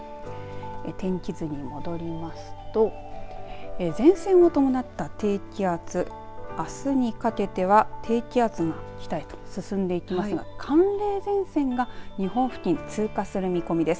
天気図に戻りますと前線を伴った低気圧あすにかけては低気圧が北へと進んでいきますが寒冷前線が日本付近通過する見込みです。